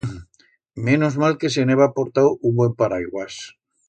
Menos mal que se'n heba portau un buen paraiguas.